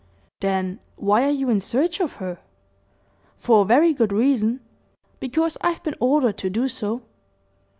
"Then why are you in search of her?" "For a very good reason because I've been ordered to do so."